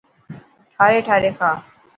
ٺاري ٺاري کا.